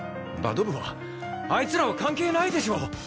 バド部はあいつらは関係ないでしょ！